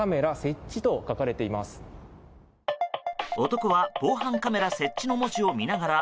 男は防犯カメラ設置の文字を見ながら